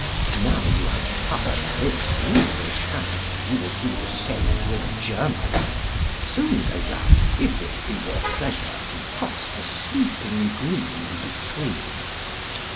Now you have touched this English hand You will do the same to a German â Soon, no doubt, if it be your pleasure To cross the sleeping green between.